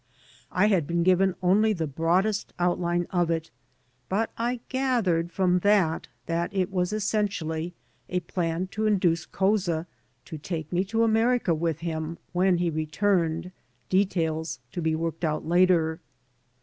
I had been given only the broadest outline of it, but I gathered from that that it was essentially a plan to induce Couza to take me to America with him when he returned, details to be worked out later.